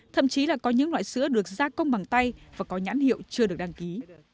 thậm chí là có những loại sữa được gia công bằng tay và có nhãn hiệu chưa được đăng ký